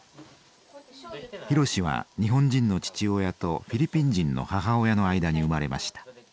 博は日本人の父親とフィリピン人の母親の間に生まれました。